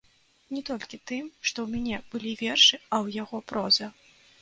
Не толькі тым, што ў мяне былі вершы, а ў яго проза.